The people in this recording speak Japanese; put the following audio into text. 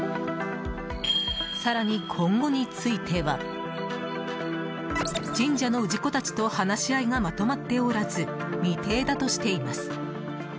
更に、今後については神社の氏子たちと話し合いがまとまっておらず未定だとしています。